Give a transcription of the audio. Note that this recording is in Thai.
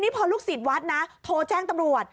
พอลูกศิษย์วัดนะโทรแจ้งตำรวจ